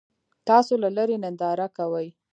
تاسو له لرې ننداره کوئ.